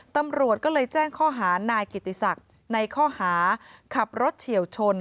ตำรวจก็เลยแจ้งข้อหานายกิติศักดิ์ในข้อหาขับรถเฉียวชน